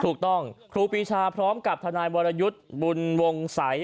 ครูปีชาพร้อมกับทนายวรยุทธ์บุญวงศัย